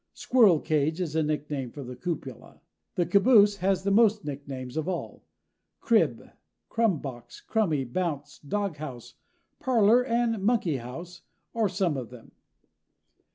Squirrel cage is a nickname for the cupola. The caboose has the most nicknames of all. Crib, crum box, crummy, bounce, doghouse, parlor and monkey house are some of them.